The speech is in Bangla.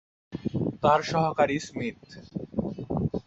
তার সহকারী স্মিথ।